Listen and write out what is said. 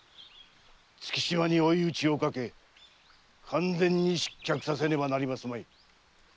月島に追い打ちをかけ完全に失脚させねばなりますまい。